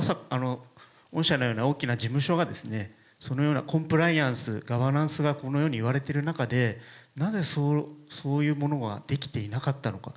御社のような大きな事務所が、そのようなコンプライアンス、ガバナンスがこのようにいわれている中で、なぜそういうものができていなかったのか。